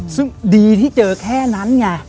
ซึ่งดีที่เจอแค่นั้นไง